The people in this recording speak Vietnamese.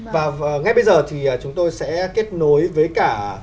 và ngay bây giờ thì chúng tôi sẽ kết nối với cả